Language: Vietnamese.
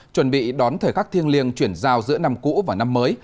chuẩn bị đón thời khắc thiêng liêng chuyển giao giữa năm cũ và năm mới